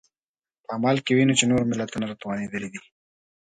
په عمل کې وینو چې نور ملتونه توانېدلي دي.